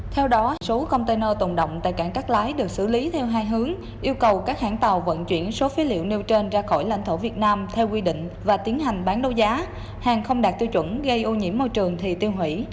theo đó số container tồn động tại cảng cắt lái được xử lý theo hai hướng yêu cầu các hãng tàu vận chuyển số phế liệu nêu trên ra khỏi lãnh thổ việt nam theo quy định và tiến hành bán đấu giá hàng không đạt tiêu chuẩn gây ô nhiễm môi trường thì tiêu hủy